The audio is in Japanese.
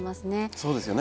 そうですよね。